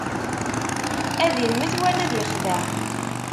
Ad immet, wala ad ixdeɛ.